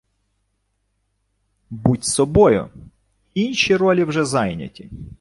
Будь собою! Інші ролі вже зайняті!